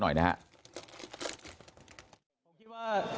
หน่อยนะครับ